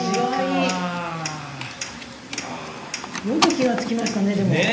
よく気が付きましたねでも。